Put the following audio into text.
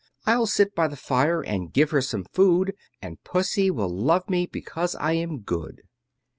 I'll sit by the fire, and give her some food, And Pussy will love me, because I am good.